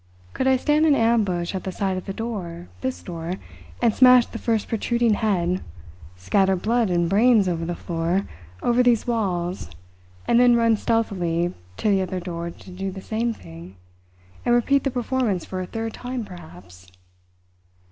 Could I stand in ambush at the side of the door this door and smash the first protruding head, scatter blood and brains over the floor, over these walls, and then run stealthily to the other door to do the same thing and repeat the performance for a third time, perhaps?